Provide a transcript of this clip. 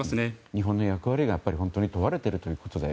日本の役割が問われていると。